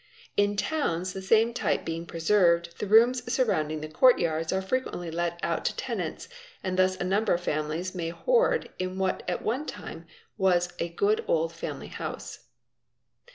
In towns, the same type being preserved, the rooms surrounding the court yards" are frequently let out to tenants, and thus a number of families may horde in what at one time was a good old family house.